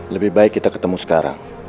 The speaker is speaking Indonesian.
lebih baik kita ketemu sekarang